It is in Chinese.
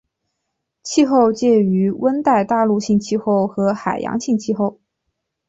气候介于温带大陆性气候和海洋性气候。